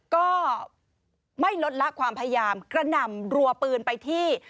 ก็ไม่ลดละความพยายามกระหน่ำรัวปืนไปที่